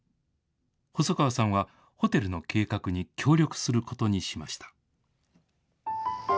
細川さんはホテルの計画に協力することにしました。